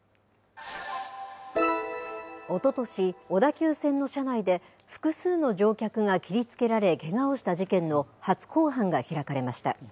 おととし、小田急線の車内で、複数の乗客が切りつけられ、けがをした事件の初公判が開かれました。